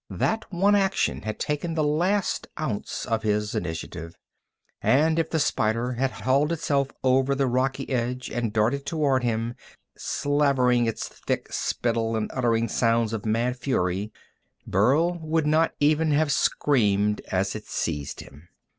That one action had taken the last ounce of his initiative, and if the spider had hauled itself over the rocky edge and darted toward him, slavering its thick spittle and uttering sounds of mad fury, Burl would not even have screamed as it seized him.